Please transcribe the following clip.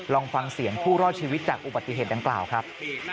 ลองฟังเสียงผู้รอดชีวิตจากอุบัติเหตุดังกล่าวครับ